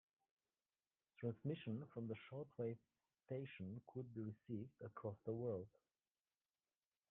Transmissions from the short wave station could be received across the world.